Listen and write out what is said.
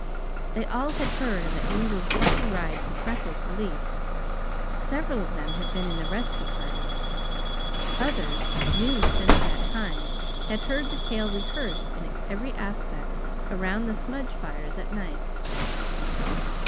They all had heard of the Angel's plucky ride for Freckles' relief; several of them had been in the rescue party. Others, new since that time, had heard the tale rehearsed in its every aspect around the smudge fires at night.